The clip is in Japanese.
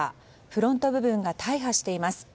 フロント部分が大破しています。